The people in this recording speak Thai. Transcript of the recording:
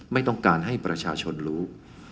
ไม่ต้องการให้ประชาชนรู้